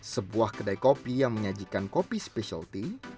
sebuah kedai kopi yang menyajikan kopi spesialty